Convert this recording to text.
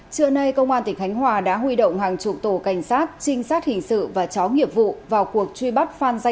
trưa nay công an tỉnh khánh hòa đã huy động hàng chục tổ cảnh sát trinh sát hình sự và chó nghiệp vụ vào cuộc truy bắt phan gia